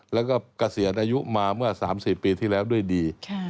แล้วก็เกษียณอายุมาเมื่อ๓๔ปีที่แล้วด้วยดี